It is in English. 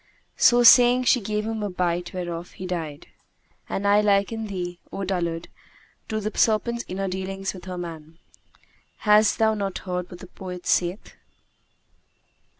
So saying, she gave him a bite whereof he died. And I liken thee, O dullard, to the serpent in her dealings with that man. Hast thou not heard what the poet saith?